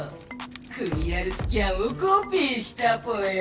クリアルスキャンをコピーしたぽよ。